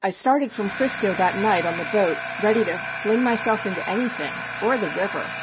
1 started from Frisco that night on the boat ready to fling myself into anything or the river